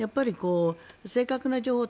正確な情報を。